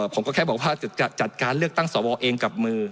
ผมก็แค่บอกว่าจะจัดการเลือกตั้งสวเองกับมือ